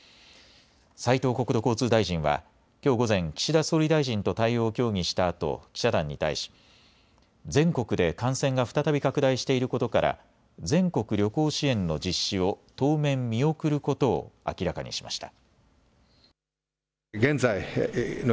斉藤国土交通大臣はきょう午前、岸田総理大臣と対応を協議したあと記者団に対し全国で感染が再び拡大していることから全国旅行支援の実施を当面、見送ることを明らかにしました。